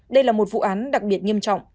đây là một vụ án đặc biệt nghiêm trọng